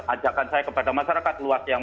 ajakan saya kepada masyarakat luas yang